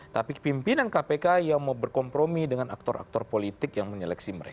tapi pimpinan kpk yang mau berkompromi dengan aktor aktor politik yang menyeleksi mereka